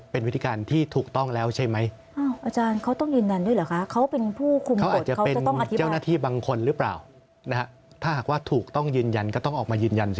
เป็นวิธีการที่ถูกต้องแล้วใช่ไหม